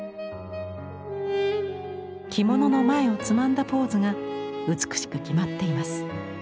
着物の前をつまんだポーズが美しく決まっています。